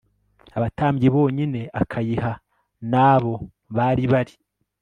abatambyi bonyine akayiha n abo bari bari